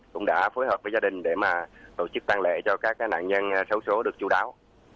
cũng đã phối hợp với gia đình để tổ chức tăng lệ cho các nạn nhân xấu xố được chú đáo